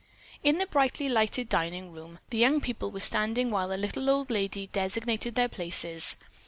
In the brightly lighted dining room the young people were standing while the little old lady designated their places.